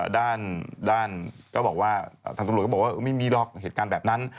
ด้านก็บอกว่าทางตำรวจก็บอกว่าไม่มีหรอกเหตุการณ์แบบนั้น